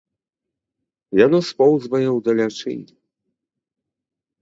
Яно споўзвае ў далячынь.